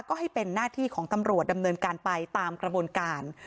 ก็ให้เป็นหน้าที่ของตำรวจดำเนินการไปตามกระบวนการ